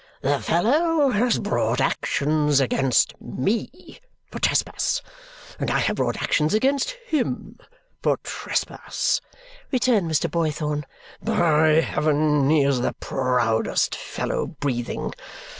"The fellow has brought actions against ME for trespass, and I have brought actions against HIM for trespass," returned Mr. Boythorn. "By heaven, he is the proudest fellow breathing.